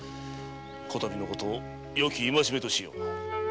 こたびのことよき戒めとしよう。